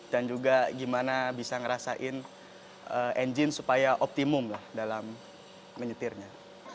dan juga gimana bisa ngerasain engine supaya optimum dalam menyetirnya